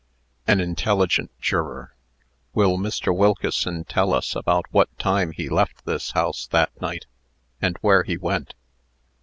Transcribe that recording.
AN INTELLIGENT JUROR. "Will Mr. Wilkeson tell us about what time he left this house that night, and where he went?"